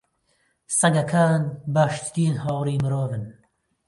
سەگەکان باشترین هاوڕێی مرۆڤن.